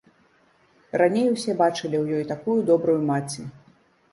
Раней усе бачылі ў ёй такую добрую маці.